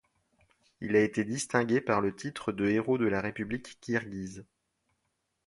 Il a été distingué par le titre de Héros de la République kirghize.